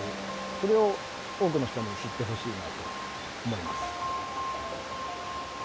それを多くの人に知ってほしいなと思います。